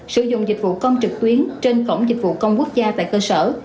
sử dụng dịch vụ công trực tuyến trên cổng dịch vụ công quốc gia tại cơ sở